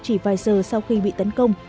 chỉ vài giờ sau khi bị tấn công